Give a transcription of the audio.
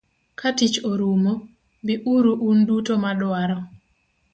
Katich orumo, bi uru un duto madwaro.